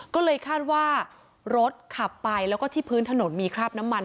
ก็เลยคาดว่ารถขับไปแล้วก็ที่พื้นถนนมีคราบน้ำมัน